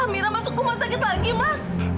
mira masuk rumah sakit lagi mas